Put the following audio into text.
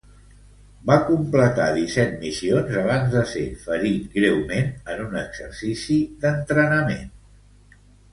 Va completar disset missions abans de ser ferit greument en un exercici d'entrenament.